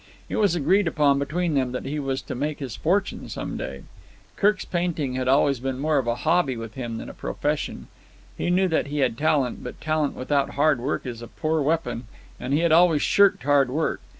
It was agreed upon between them that he was to make his fortune some day. Kirk's painting had always been more of a hobby with him than a profession. He knew that he had talent, but talent without hard work is a poor weapon, and he had always shirked hard work.